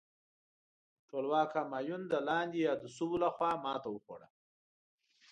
ټولواک همایون د لاندې یاد شویو لخوا ماته وخوړه.